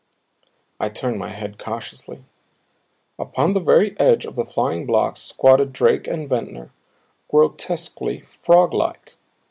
I turned my head cautiously. Upon the very edge of the flying blocks squatted Drake and Ventnor, grotesquely frog like.